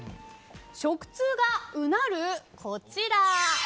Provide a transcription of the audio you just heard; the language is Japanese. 食通がうなる、こちら。